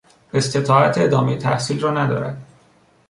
استطاعت ادامهی تحصیل را ندارد.